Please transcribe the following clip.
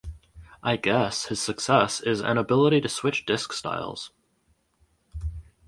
I guess his success is an ability to switch disc styles.